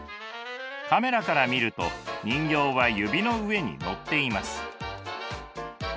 カメラから見ると人形は指の上にのっています。